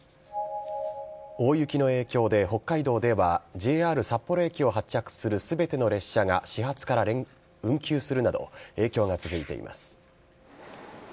大雪の影響で、北海道では、ＪＲ札幌駅を発着するすべての列車が始発から運休するなど、影響が続いています。